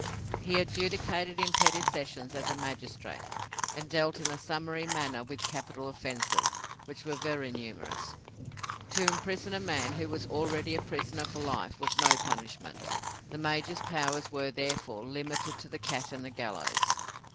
He adjudicated in petty sessions as a magistrate, and dealt in a summary manner with capital offences, which were very numerous. To imprison a man who was already a prisoner for life was no punishment; the major's powers were, therefore, limited to the cat and the gallows.